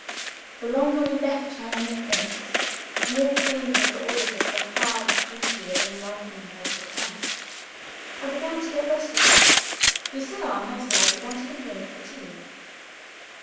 The longer we left her in ignorance, the more painful to all of us the hard duty of enlightening her would become. I began to get restless. Lucilla, on her side, began to complain of fatigue.